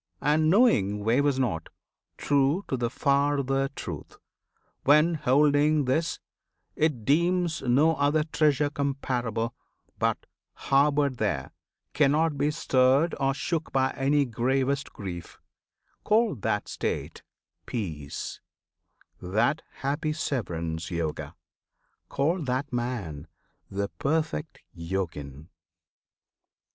and, knowing, wavers not, True to the farther Truth; when, holding this, It deems no other treasure comparable, But, harboured there, cannot be stirred or shook By any gravest grief, call that state "peace," That happy severance Yoga; call that man The perfect Yogin!